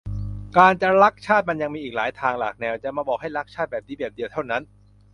การจะรักชาติมันก็ยังมีอีกหลายทางหลากแนว จะมาบอกให้ 'รักชาติ' แบบนี้แบบเดียวเท่านั้น